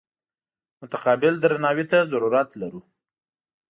متقابل درناوي ته ضرورت لرو.